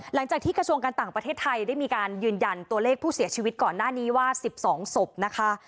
หลังจากที่กระทรวงการต่างประเทศได้มีการยืนยันตัวเลขผู้เสียชีวิตก่อนหน้านี้ว่า๑๒ศพนะคะ